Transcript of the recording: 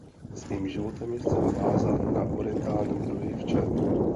Svým životem je zcela vázán na orientální druhy včel.